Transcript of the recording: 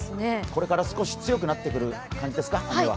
これから少し強くなってくる感じですか、雨は。